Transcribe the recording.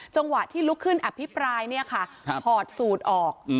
จังหวะที่ลุกขึ้นอภิปรายเนี่ยค่ะถอดสูตรออก